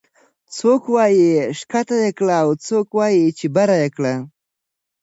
څوک وايي ښکته کړه او څوک وايي چې بره کړه